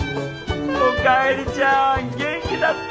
おかえりちゃん元気だった？